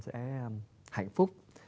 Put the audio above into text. sẽ hạnh phúc